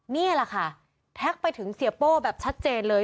นี่แหละค่ะแท็กไปถึงเสียโป้แบบชัดเจนเลย